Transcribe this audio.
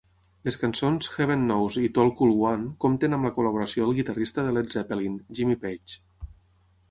Les cançons "Heaven Knows" i "Tall Cool One" compten amb la col·laboració del guitarrista de Led Zeppelin, Jimmy Page.